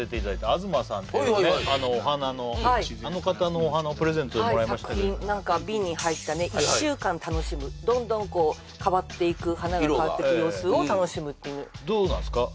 あのお花のあの方のお花をプレゼントでもらいましたけどはい作品何か瓶に入ったね１週間楽しむどんどんこう変わっていく色が花が変わってく様子を楽しむっていうどうなんですか？